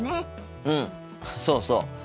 うんそうそう。